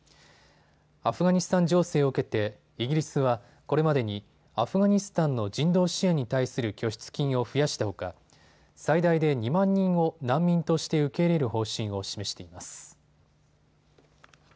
アフガニスタン情勢を受けてイギリスはこれまでにアフガニスタンの人道支援に対する拠出金を増やしたほか最大で２万人を難民として受け入れる方針を示しています。